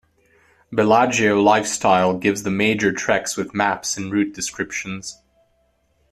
Bellagio Lifestyle gives the major treks with maps and route descriptions.